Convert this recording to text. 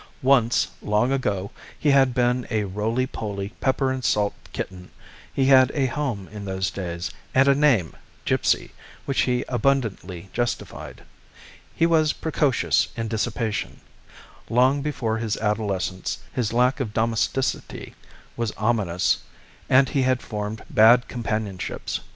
Once, long ago, he had been a roly poly pepper and salt kitten; he had a home in those days, and a name, "Gipsy," which he abundantly justified. He was precocious in dissipation. Long before his adolescence, his lack of domesticity was ominous, and he had formed bad companionships.